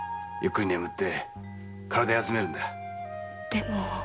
でも。